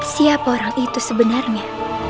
siapa orang itu sebenarnya